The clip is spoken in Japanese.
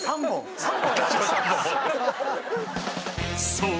［そう。